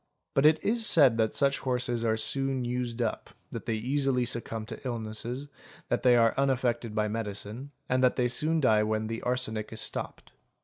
_ But it is said that such horses are soon used up, that they easily succumb to illnesses, that they are unaffected by medicine, and that they soon die when the arsenic is stopped.